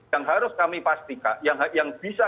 yang harus kami pastikan yang bisa